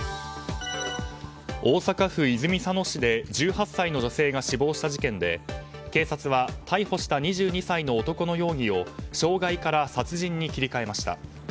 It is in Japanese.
大阪府泉佐野市で１８歳の女性が死亡した事件で警察は逮捕した２２歳の男の容疑を傷害から殺人に切り替えました。